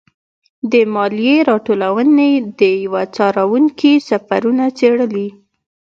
د مالیې راټولونې د یوه څارونکي سفرونه څېړلي.